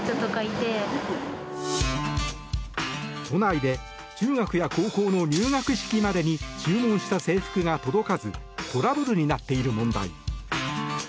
都内で中学や高校の入学式までに注文した制服が届かずトラブルになっている問題。